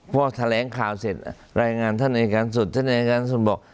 พอแถลงข่าวเสร็จรายงานท่านอายการสุดท่านอายการสุดบอก